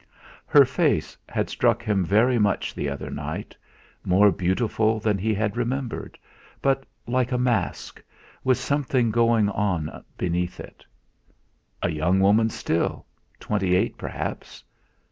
Her face had struck him very much the other night more beautiful than he had remembered, but like a mask, with something going on beneath it. A young woman still twenty eight perhaps.